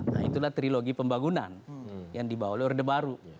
nah itulah trilogi pembangunan yang dibawa oleh orde baru